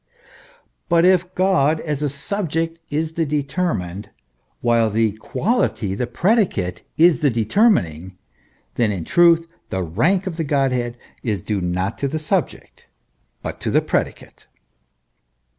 But if God as a subject is the determined, while the quality, the predicate is the determining, then in truth the rank of the god head is due not to the subject, but to the predicate.